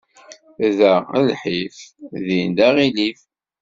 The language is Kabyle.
Da lḥif, din d aɣilif.